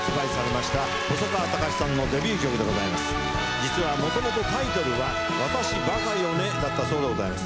実はもともとタイトルは「私バカよね」だったそうでございます。